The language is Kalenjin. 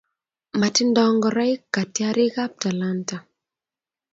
Matindo ngoraik katiarik ab Talanta